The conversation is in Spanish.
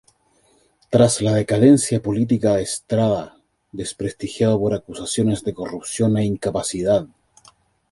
Tras la decadencia política de Estrada, desprestigiado por acusaciones de corrupción e incapacidad.